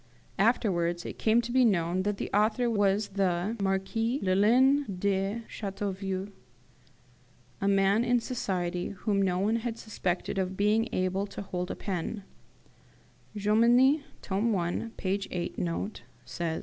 Afterwards it came to be known that the author was the Marquis Lullin de Chateauvieux, a man in society, whom no one had suspected of being able to hold a pen: Jomini (tome i. p. 8 note) says.